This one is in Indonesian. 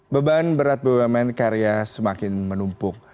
beban berat bumn karya semakin menumpuk